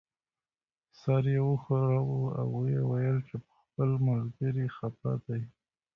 سر یې وښوراوه او یې وویل چې په خپل ملګري خپه دی.